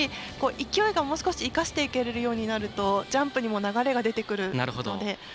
勢いがもう少し生かしていけるようになるとジャンプにも流れが出てくるので。